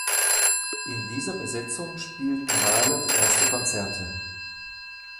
In dieser Besetzung spielten Violet erste Konzerte.